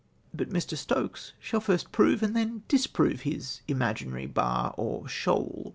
But Mr. Stokes shall first jjrove and then disprove Ins imaginary bar or shoal.